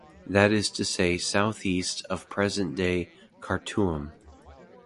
That is to say south-east of present day Khartoum.